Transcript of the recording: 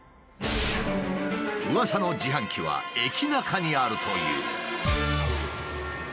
うわさの自販機は駅ナカにあるという。